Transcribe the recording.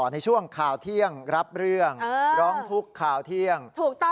ในช่วงข่าวเที่ยงรับเรื่องร้องทุกข่าวเที่ยง